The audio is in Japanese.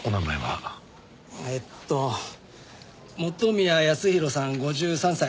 えっと元宮康宏さん５３歳。